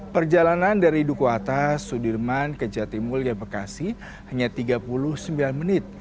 perjalanan dari duku atas sudirman ke jatimulya bekasi hanya tiga puluh sembilan menit